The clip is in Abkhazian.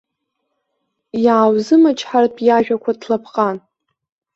Иааузымчҳартә иажәақәа ҭлапҟан.